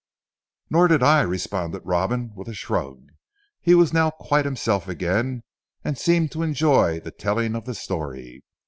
"Nor did I," responded Robin with a shrug; he was now quite himself again and seemed to enjoy the telling of the story.